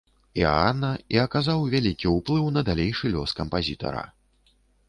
Іаана і аказаў вялікі ўплыў на далейшы лёс кампазітара.